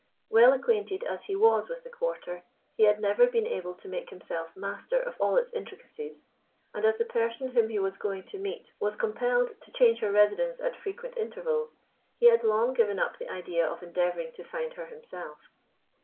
Well acquainted as he was with the quarter, he had never been able to make himself master of all its intricacies, and as the person whom he was going to meet was compelled to change her residence at frequent intervals, he had long given up the idea of endeavoring to find her himself.